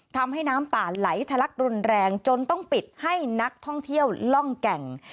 ทำให้น้ำป่าไหลทะลักรุนแรงจนต้องปิดให้นักท่องเที่ยวล่องแก่ง